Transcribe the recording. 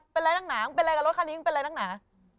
เป็นอะไรกับรถคันนี้เป็นอะไร